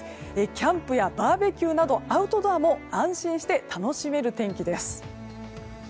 キャンプやバーベキューなどアウトドアも安心して楽しめる天気です。